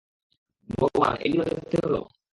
ভগবান, এই দিনও দেখতে হলো?